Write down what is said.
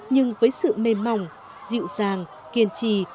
nhưng với sự mềm mỏng dịu dàng kiên trì